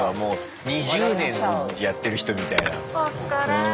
２０年やってる人みたいな。